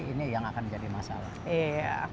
ini yang akan jadi masalah